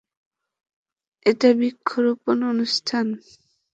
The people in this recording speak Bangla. এটা বৃক্ষরোপণ অনুষ্ঠান।